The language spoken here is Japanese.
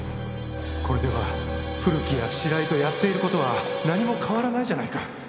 「これでは古木や白井とやっている事は何も変わらないじゃないか」